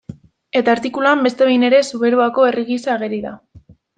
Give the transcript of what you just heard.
Eta artikuluan beste behin ere Zuberoako herri gisa ageri da.